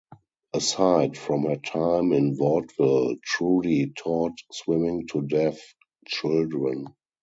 Aside from her time in Vaudeville, Trudy taught swimming to deaf children.